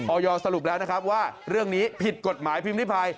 สรุปแล้วนะครับว่าเรื่องนี้ผิดกฎหมายพิมพิภัย